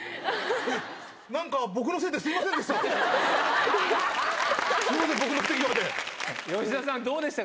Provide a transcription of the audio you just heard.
なんか僕のせいで、すみませんでした。